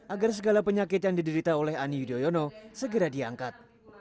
agar segala penyakit yang diderita oleh ani yudhoyono segera diangkat